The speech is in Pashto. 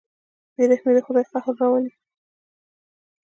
بېرحمي د خدای قهر راولي.